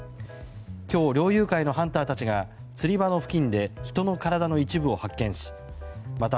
今日、猟友会のハンターたちが釣り場の付近で人の体の一部を発見しまた